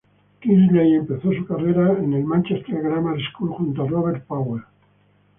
Kingsley empezó su carrera en el Manchester Grammar School junto a Robert Powell.